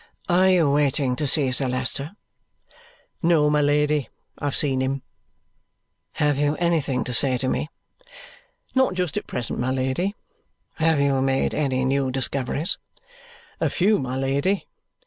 "Are you waiting to see Sir Leicester?" "No, my Lady, I've seen him!" "Have you anything to say to me?" "Not just at present, my Lady." "Have you made any new discoveries?" "A few, my Lady."